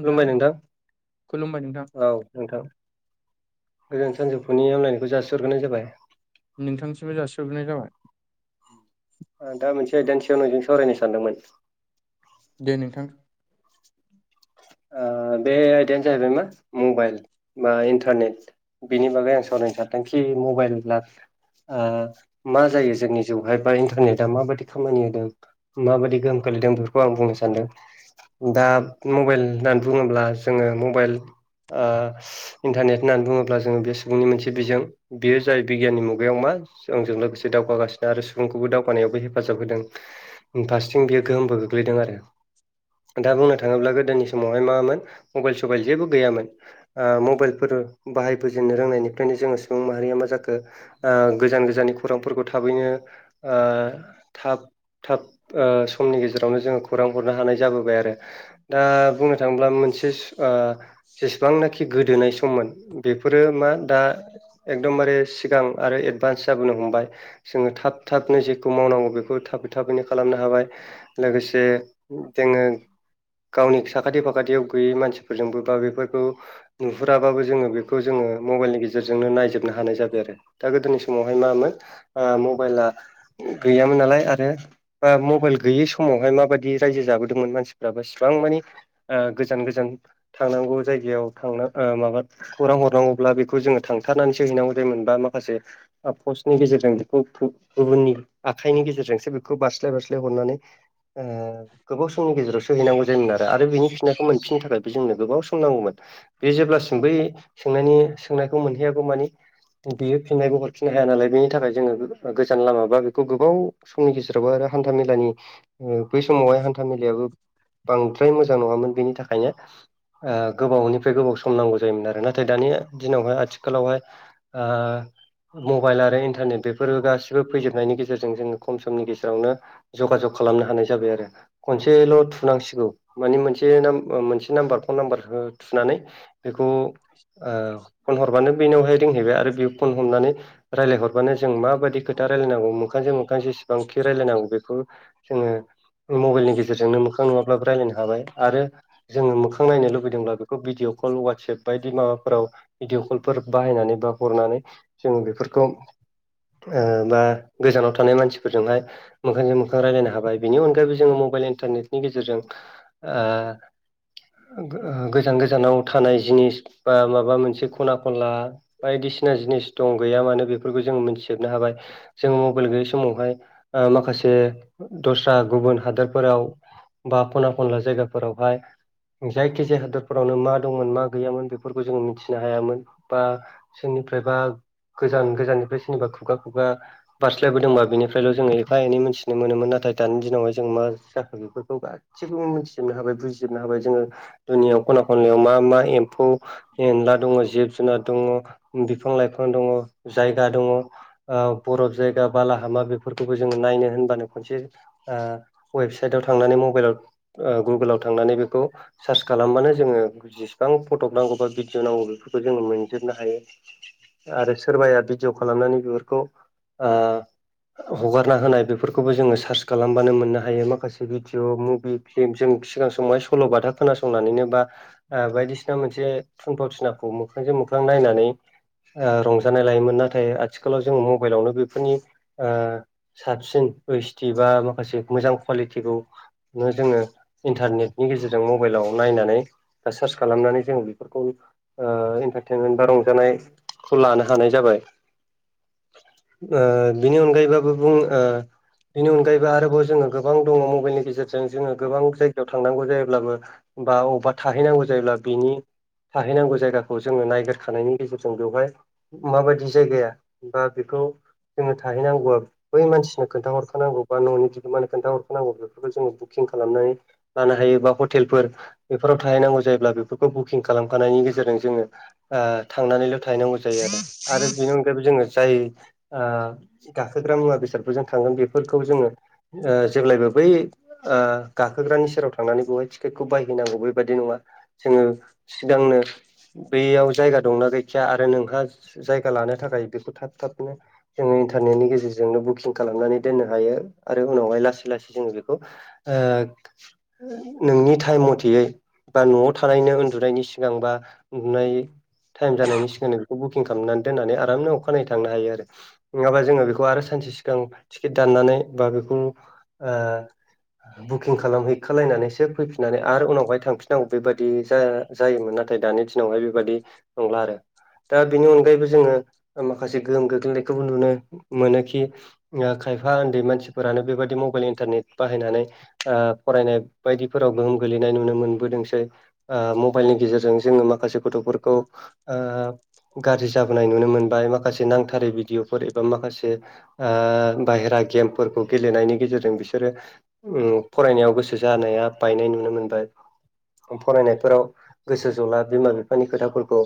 खुलुमबाय नोंथां खुलुमबाय नोंथां औ नोंथां। गोजोन सानजौफुनि हामलायनायखौ जासिहरगोनाय जाबाय। नोंथांनिसिमबो जासिहरग्रोनाय जाबाय। दा मोनसे आइदानिसायाव नोंजों सावरायनो सानदोंमोन। दे नोंथां। बे आयदायानो जाहैबाय मा मबाइल बा इन्टारनेट। बेनि बागै आं सावरायनो सारदों कि मबाइल ला मा जायो जोंनि जिउहाय बा इन्टारनेटआ मा बादि खामानि होदों। माबायदि गोहोम खोलैदों बेफोरखौ आं बुंनो सान्दों दा मबाइल। होननानै बुङोब्ला जोङो मबाइल इन्टारनेट होननानै बुङोब्ला जोङो बे सुबुंनि मोनसे बिजों बेयो जायो बिगियाननि मुगायाव मा जोंजों लोगोसे दावगागासिनो आरो सुबुंखौबो दावगानायावबो हेफाजाब होदों। फारसेथिं बियो गोहोमबो गोग्लैदों आरो दा बुंनो थाङोब्ला गोदोनि हाय मामोन मबाइल सबाइल जेबो गैयामोन। मबाइलफोर बाहायबोजेननो रोंनायनिफ्रायनो जोङो सुबुं माहारिया मा जाखो? गोजान गोजाननि खौरांफोरखौ थाबैनो। थाब थाब समनि गेजेरावनो जोङो खौरां हरनो हानाय जाबोबाय आरो दा बुंनो थाङोब्ला मोनसे जेसेबांनाखि गोदोनाय सममोन बेफोरो मा दा एकदमबारे सिगां आरो एदभान्स जाबोनो हमबाय जोङो थाब थाबनो जेखौ मावनांगौ बेखौ थाबै थाबैनो खालामनो हाबाय लोगोसे जोङो गावनि साखाथि फाखाथियाव गैयै मानसिफोरजोंबो बा बेफोरखौ नुहुराबाबो जोङो बेखौ जोङो मबाइलनि गेजेरजों गेजेरजोंनो नायजोबनो हानाय जाबाय आरो दा गोदोनि समावहाय मामोन मबाइला गैयामोन नालाय आरो बा मबाइल गैयै समावहाय माबायदि। रायजो जाबोदोंमोन मानसिफ्राब इसिबां मानि गोजान गोजान थांनांगौ जायगायाव। थांनो माबा खौरां हरनांगौब्ला बेखौ जोङो थांथारनानैसो हैनांगौ जायोमोनबा माखासे पस्टनि गेजेरजों बेखौ गुबुननि आखाइनि गेजेरजोंसो बेखौ बारस्लाय बारस्लाय हरनानै ओ गोबाव समनि गेजेरावसो हैनांगौ जायोमोन आरो आरो बिनि नायखौ मोनफिनो थाखायबो जोंनो गोबाव सम नांगौमोन। बे जेब्लासिम बै सोंनायनि सोंनायखौ मोनहैयागौ मानि बियो फिननायबो हरफिननो हाया नालाय बेनि थाखाय जोङो गोजान लामाबा बेखौ गोबाव समनि गेजेरावबो आरो हान्था मेलानि बै समावहाय हान्था मेलायाबो बांद्राय मोजां मोन बेनि थाखायनो आ गोबावनिफ्राय गोबाव सम नांगौ जायोमोन आरो नाथाय दानि दिनावहाय आथिखालावहाय आ मबाइल आरो इन्टारनेट बेफोरबो गासि बो फैजोबनायनि गेजेरजों जोङो खम समनि गेजेरावनो जगाजग खालामनो हानाय जाबाय आरो खनसेल' थुनांसिगौ। मानि मोनसे नाम मोनसे नाम्बार फन नाम्बारहो थुनानै बेखौ ओ फन हरबानो बेनियावहाय रिंहैबाय आरो बे फन हमनानै रायलायहरबानो जों माबायदि खोथा रायलायनांगौ मोखांजों मोखां जेसेबांखि रायलायनांगौ बेखौ जोङो मबाइलनि गेजेरजोंनो मोखां नुवाब्लाबो रायलायनो हाबाय आरो जोङो मोखां नायनो लुबैब्ला बेखौ भिडिअ कल वाट्सएप बायदि माबाफोराव भिडिअ कलफोर बाहायनानै बा हरनानै जों बेफोरखौ ओ बा गोजानाव थानाय मानसिफोरजोंहाय मोखांजों मोखां रायलायनो हाबाय बिनि अनगायैबो जोङो मबाइल इन्टारनेटनि गेजेरजों ओ गा गोजान गोजानाव थानाय जिनिस बा माबा मोनसे खना खनला बायदिसिना जिनिस दं गैया मानो बेफोरखौ जों मोनथिजोबनो हाबाय‌। जोङो मबाइल गैयै समावहाय ओ माखासे दस्रा गुबुन हादोरफोराव बा खना खनला जायगाफोरावहाय जायखिजाया हादरफोरावनो मा दंमोन मा गैयामोन बेफोरखौ जों मिथिनो हायामोन बा सोरनिफ्रायबा गोजान गोजाननिफ्राय सोरनिबा खुगा खुगा बारस्लायबोदोंबा बिनिफ्रायल' जोङो एफा एनै मोनथिनो मोनोमोन नाथाय दानि दिनावहाय जों मा जाखो बेफोरखौबा गासिखौबो मिथिजोबनो हाबाय बुजिजोबनो हाबाय जोङो दुनियाव खना खनलायाव मा मा एम्फौ एनला दङ जिब जुनार दङ बिफां लाइफां दङ जायगा दङ ओ बरफ जायगा बालाहामा बेफोरखौबो जोङो नायनो होनबानो खनसे आ वेबसाइटआव थांनानै आ मबाइलाव गुगोलाव थांनानै बेखौ सार्च खालामबानो जोङो जेसेबां फटक नांगौ बा भिडिअ' नांगौ बेफोरखौ जोङो मोनजोबनो हायो। आरो सोरबाया भिडिअ' खालामनानै बिफोरखौ आ हगारना होनाय बेफोरखौबो जोङो सार्च खालामबानो मोननो हायो माखासे भिडिअ' मुभि फेमजों बिसोरनाव सोंबाय सल'बाथा खोनासंनानैनोबा आ बायदिसिना मोनसे थुनफावथिनाखौ मोखांजों मोखां नायनानै आ रंजानाय लायोमोन नाथाय आथिखालाव जों मबाइलावनो बेफोरनि आ साबसिन एइस डि बा माखासे मोजां कुवालिटिखौ नो जोङो इन्टारनेटनि गेजेरजों मबाइलाव नायनानै बा सार्च खालामनानै जोङो बेफोरखौ आ इन्टारटेनमेन्ट बा रंजानायखौ लानो हानाय जाबाय। ओ बिनि अनगायैबाबो बुं आ बेनि अनगायैबो आरोबाव जोङो गोबां दङ मबाइलनि गेजेरजों जोङो गोबां जायगायाव थांनांगौ जायोब्लाबो बा अवबा थाहैनांगौ जायोब्ला बिनि थाहैनांगौ जायगाखौ जोङो नायगिरखानायनि गेजेरजों बेवहाय माबायदि जायगाया बा बेखौ जोङो थाहैनांगौआ बै मानसि खोनथाहरखानांगौ बा न'नि बिगोमानो खोन्थाहरखानांगौ बेफोरखौ जोङो बु बुकिं खालामनानै लानो हायो बा हटेलफोर बेफोराव थाहैनांगौ जायोब्ला बेफोरखौ बुकिं खालामखानायनि गेजेरजों जोङो आ थांनानैल' थाहैनांगौ जायो आरो आरो बेनि अनगायैबो जोङो जाय आ गाखोग्रा मुवा बेसादफोरजों थांगोन बेफोरखौ जोङो ओ जेब्लायबो बै आ गाखोग्रानि सेराव थांनानै बेहाय थिकेटखौ बायहैनांगौ बेबायदि नङा जोङो सिगांनो बेयाव जायगा दंना गैखाया आरो नोंहा जायगा लानो थाखाय बेखौ थाब थाबनो जोङो इन्टारनेटनि गेजेरजोंनो बुकिं खालामनानै दोननो हायो आरो उनावहाय लासै लासै जोङो बे खौ ओ नोंनि टाइम मथेयै बा न'आव थानायनो उन्दुनायनि सिगां बा उन्दुनाय टाइम जानायनि सिगां बेखौ बुकिं खालामनानै दोननानै आरामनो अखानायै थांनो हायो आरो। नङाबा जोङो बेखौ आरो सानसे सिगां टिकेट दाननानै बा बेखौ आ बुकिं खालामहैखलायनानैसो फैफि नानै आरो उनावहाय थांफिननांगौ बेबायादि जा-जायोमोन नाथाय दानि दिनावहाय बेबादि नंला आरो दा बेनि अनगायैबो जोङो माखासे गोहोम गोग्लैनायखौबो नुनो मोनोखि खायफा उन्दै मानसिफोरानो बेबादि मबाइल इन्टारनेट बाहायनानै फरायनाय बायदिफोराव गोहोम गोलैनाय नुनो मोनबोदोंसै। ओ मबाइलनि गेजेरजों जोङो माखासे गथ'फोरखौ आ गाज्रि जाबोनाय नुनो मोनबाय माखासे नांथारै भिडिअ फो एबा माखासे आ बायेरा गेमफोरखौ गेलेनायनि गेजेरजों बिसो रो ओम फरायनायाव गोसो जानाया बायनाय नुनो मोनबाय। फरायनायफोराव गोसो जला बिमा बिफानि खोथाफोरखौ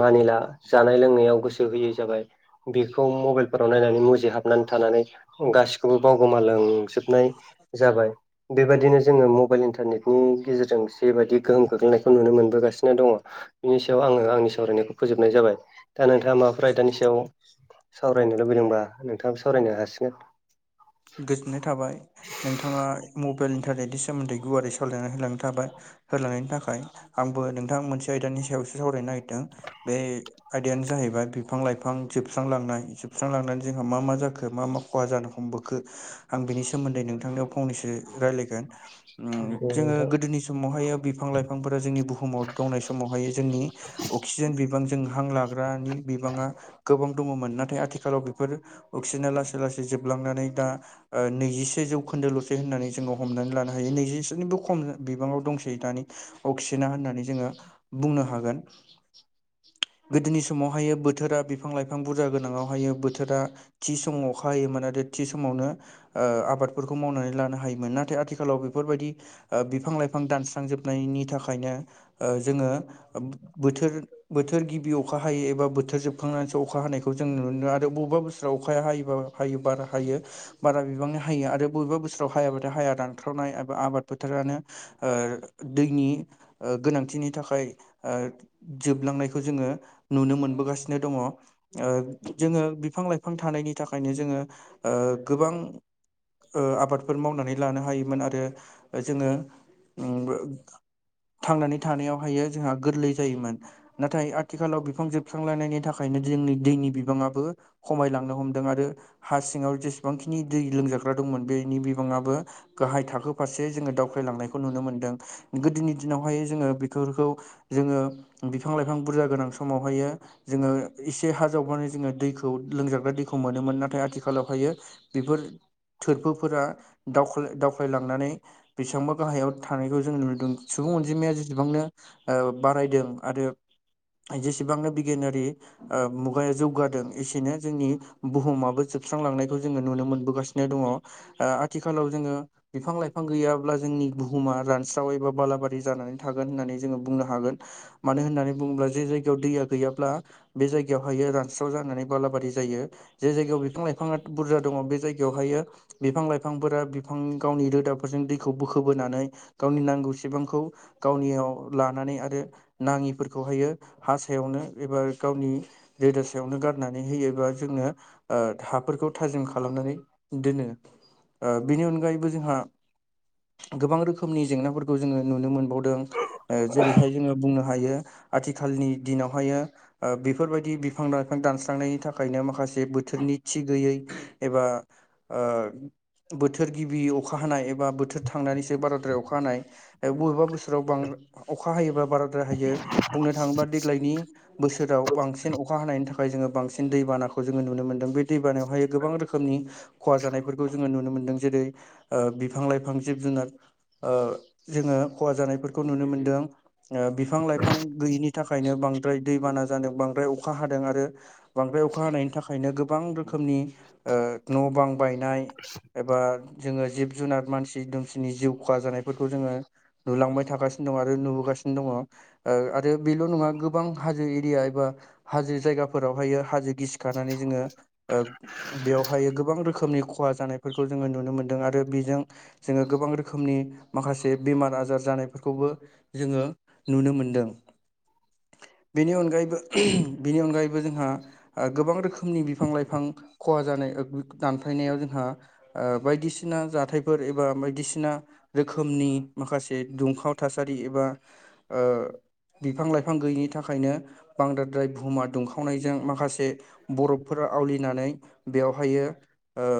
मानिला जानाय लोंनायाव गोसो होयै जाबाय। बेखौ मबाइलफोराव नायनानै मुजि हाबनानै थानानै गासिखौबो बावगोमालांजो नाय जाबाय बेबायदिनो जो मबेल इन्टार नेटनि गेजेरजों जेबायदि गोहोम खग्लैनायखौ नुनो मोनबोगासिनो दङ। बिनि सायाव आङो आंनि सावरायनायखौ फोजोबनाय जाबाय। दा नोंथाङा माबाफोर आयदानि सायाव सावरायनो लुबैदोंबा नोंथाङाबो सावरायनो हासिगोन। गोजोननाय थाबाय नोंथाङा मबाइल इन्टारनेटनि सोमोन्दै गुवारै सावरायनानै होलांनो थाबाय। होलांनायनि थाखाय आंबो नोंथां मोनसे आयदानि सायावसो सावरायनो नागिरदों बे आयदायानो जाहैबाय बिफां लाइफां जोबस्रांलांनाय जोबस्रांलांनानै जोंहा मा मा जाखो मा मा खहा जानो हमबो खो आं बिनि सोमोन्दै नोंथांनि फंनैसो रालायगोन दे जोङो नोंथां गोदोनि समावहायो बिफां लाइफांफोरा जोंनि बुहुमाव दंनाय समावहाय जोंनि अक्सिजेन बिबांजों हां लाग्रानि बिबाङा गोबां दङमोन नाथाय आथिखालाव बेफोर अक्सिजेना लासै लासै जोबलांनानै दा नैजिसे जौखोन्दोल'ससै होननानै जोङो हमनानै लानो हायो नैजिसेनिबो खम बिबाङाव दंसै दानि अक्सिजना होननानै जोङो बुंनो हागोन। गोदोनि समावहाय बोथोरा बिफां लाइफां बुरजा गोनांआवहायो बोथोरा थि समाव अखा होमोन आरो थि समावनो ओ आबादफोरखौ मावनानै लानो हायोमोन नाथाय आथिखालाव बेफोरबायदि आ बिफां लाइफां दानस्रांजोबनायनि थाखायनो ओ जोङो बोथोर बो थोर गिबि अखा हायो एबा बोथोर जोबखांनानैसो अखा हानायखौ जों नुनो मोनो आरो बबेबा बोसोराव अखाया हायोबा हायो बारा हायो बारा बिबांनि हायो आरो बबेबा बोसोराव हायाबाथाय हाया रानख्रावनाय आबाद फोथारानो। ओ दैनि ओ गोनांथिनि थाखाय ओ जोबलांनाय खौ जोङो नुनो मोनबोगासिनो दङ। ओ जोङो बिफां लाइफां थानायनि थाखायनो जोङो ओ गोबां ओ आबादफोर मावनानै लानो हायोमोन आरो जोङो ओम थांनानै थानायावहायो जोंहा गोरलै जायोमोन। नाथाय आथिखालाव बिफां जोबस्रांलायनायनि थाखायनो जोंनि दैनि बिबाङाबो खमायलांनो हमदों आरो हा सिङाव जेसेबांखिनि दै लोंजाग्रा दंमोन बेनि बिबाङाबो गाहाय थाखो फारसे जोङो दावख्लायलांनायखौ नुनो मोन्दों। गोदोनि दिनावहाय जोङो बेफोरखौ जोङो बिफां लाइफां बुरजा गोनां समावहायो जोङो एसे हा जावनानै जोङो दैखौ लोंजाग्रा दैखौ मोनोमोन नाथाय आथिखालावहायो बेफोर थोरफोफोरा दावख्लाय दावख्लायलांनानै बेसेबांबा गाहायाव थानायखौ जोंङो नुनोदों सुबुं अनजिमाया जेसेबांनो ओ बारायदों आरो जेसेबांनो बिगियानारि ओ मुगाया जौगादों एसेनो जोंनि बुहुमाबो जोबस्रांलांनायखौ जोङो नुनो मोनबोगासिनो दङ। ओ आथिखालाव जोङो बिफां लाइफां गैयाब्ला जोंनि बुहुमा रानस्राव एबा बालाबारि जानानै थागोन होननानै जोङो बुंनो हागोन। मानो होननानै बुंब्ला जे जायगायाव दैया गैयाब्ला बे जायगायाव हायो रानस्राव जानानै बालाबारि जायो। जे जायगायाव बिफां लाइफाङा बुरजा दङ बे जायगायावहायो बिफां लाइफांफोरा बिफां गावनि रोदाफोरजों दैखौ बोखोबोनानै गावनि नांगौसेबांखौ गावनियाव लानानै आरो नाङिफोर खौहायो हा सायावनो एबा गावनि दैदा सायावनो गारनानै होयो बा जोंनो ओ हाफोरखौ थाजिम खालामनानै दोनो। ओ बेनि अनगायैबो जोंहा गोबां रोखोमनि जेंनाफोरखौ जोङो नुनो मोनबाव दों ओ जेरैहाय जोङो बुंनो हायो आथिखालनि दिनावहायो ओ बेफोरबायदि बिफां लाइफां दानस्रांनायनि थाखायनो माखासे बोथोरनि थि गैयै एबा ओ बोथोर गिबि अखा हानाय एबा बोथोर थांनानैसो बाराद्राय अखा हानाय बबेबा बोसोराव बां अखा हायोबा बारा हायो बुंनो थाङोबा देग्लायनि बोसोराव बांसिन अखा हानाय बिनि थाखाय जोङो बांसिन दैबानाखौ जोङो नुनो मोनदों, बे दै बानायावहाय गोबां रोखोमनि खहा जानायफोरखौ जोङो नुनो मोन्दों जेरै ओ बिफां लाइफां, जिब जुनार ओ जोङो खहा जानायफोरखौ नुनो मोनदों। ओ बिफां लाइफां गैयिनि थाखायनो बांद्राय दैबाना जादों बांद्राय अखा हादों आरो बांद्राय अखा हानायनि थाखायनो गोबां रोखोमनि ओ न' बां बायनाय एबा जोङो जिब जुनार मानसि दुमसिनि जिउ खहा जानायफोरखौ जोङो नुलांबाय थागासिनो दङ आरो नुबोगासिनो दङ। ओ आरो बेल' नङा गोबां हाजो एरिया एबा हाजो जायगाफोरावहायो हाजो गिसिखानानै जोङो ओ बेवहाय गोबां रोखोमनि खहा जानायफोरखौ जोङो नुनो मोनदों आरो बेजों जोङो गोबां रोखोमनि माखासे बेमार आजार जानायफोरखौबो जोङो नुनो मोनो। दों। बेनि अनगायैबो बिनि अनगायैबो जोंहा आ गोबां रोखोमनि बिफां लाइफां खहा जानाय ओ दानफायनायाव जोंहा बायदिसिना जाथायफोर एबा बायदिसिना रोखोमनि माखासे दुंखाव थासारि एबा ओ बिफां लाइफां गैयिनि थाखायनो बांदाद्राय बुहुमा दुंखावनायजों माखासे बरफफोरा आवलिनानै बेयावहायो ओ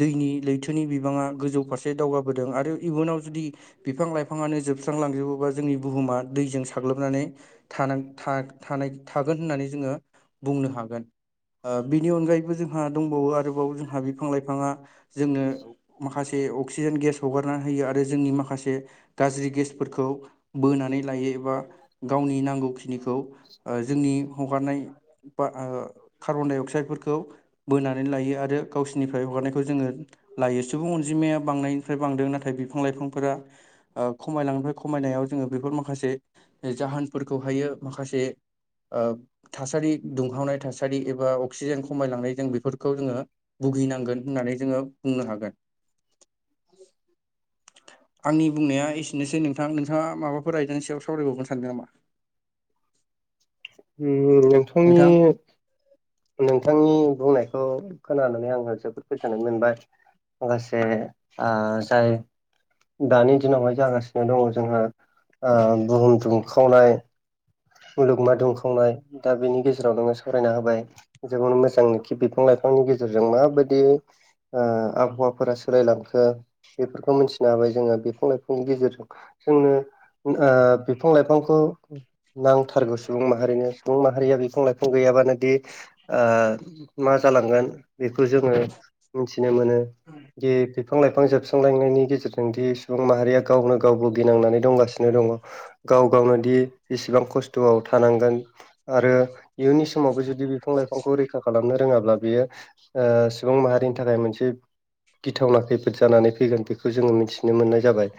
दैनि लैथोनि बिबाङा गोजौ फारसे दावगाबोदों आरो इयुनाव जुदि बिफां लाइफाङानो जोबस्रांलांजोबोबा जोंनि बुहुमा दैजों साग्लोबनानै थानां था था थानाय थागोन होननानै जोङो बुंनो हागोन। ओ बिनि अनगायैबो जोंहा दंबावो आ आरोबाव जोंहा बिफां लाइफाङा जोंनो माखासे अक्सिजेन गेस हगारना होयो आरो जोंनि माखासे गाज्रि गेसफोरखौ बोनानै लायो एबा गावनि नांगौखिनिखौ ओ जोंनि हगारनाय बा [unintelligible] कार्बन-डाइ-अक्साइदफोरखौ बोनानै लायो आरो गावसिनिफ्राय हगारनायखौ जोङो लायो। सुबुं अनजिमाया बांनायनिफ्राय बांदों नाथाय बिफां लाइफांफोरा ओ खमायलाङो, खमायनायाव जोङो बेफोर माखासे जाहोनफोरखौहायो माखासे ओ थासारि दुंहावनाय थासारि एबा अक्सिजेन खमायलांनाय जों बेफोरखौ जोङो भुगिनांगोन होननानै जोङो बुंनो हागोन। [inaudible] आंनि बुंनाया एसेनोसै नोंथां नोंथाङा माबाफोर आयजानि सायाव [unintelligible] सानदों नामा? नोंथांनि नोंथां नोंथांनि बुंनायखौ खोनानानै आङो जोबोद गोजोननाय मोनबाय। [unintelligible] दानि दिनावहाय जागासिनो दङ जोंहा ओ बुहुम दुमखावनाय। मुलुगमा दुंखावनाय दा बेनि गेजेराव नोङो सावरायना होबाय। जोंनो मोजांखि बिफां लाइफांनि गेजेरजों माबायदियै ओ आबहावाफोरा सोलायलांखो बेफोरखौ मिथिनो हाबाय जोङो बिफां लाइफांनि गेजेरजों। जोंनो ओ बिफां लाइफांखौ नांथारगौ सुबुं माहारिनो सुबुं माहारिया बिफां लाइफां गैयाबानो दि ओ मा जालांगोन बेखौ जोङो मिथिनो मोनो दि बिफां लाइफां जोबस्रांलायनायनि गेजेरजों दि माहारिया गावनो गावबो गिनांनानै दंगासिनो दङ। गाव गावनो दि इसेबां खस्थ'आव थानांगोन आरो इयुननि समावबो जुदि बिफां लाइफांखौ रैखा खालाम। नो रोङाब्ला बियो ओ सुबुं माहारिनि थाखाय मोनसे। गिथावना खैफोद जानानै फैगोन बेखौ जोङो मिथिनो मोननाय जाबाय।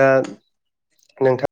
दा नोंथां